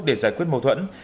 để giải quyết mâu thuẫn